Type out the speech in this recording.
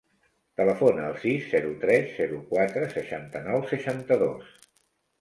Telefona al sis, zero, tres, zero, quatre, seixanta-nou, seixanta-dos.